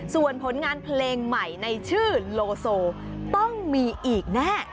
ส่วนผลงานเพลงใหม่ในชื่อโลโซต้องมีอีกแน่